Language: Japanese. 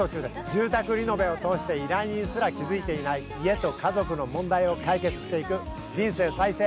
住宅リノベを通して依頼人すら気付いていない家と家族の問題を解決していく「人生再生！